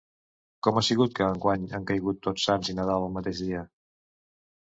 Com ha sigut que enguany han caigut Tots Sants i Nadal al mateix dia?